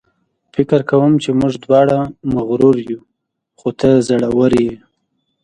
فکر کوم چې موږ دواړه مغرور یو، خو ته زړوره یې.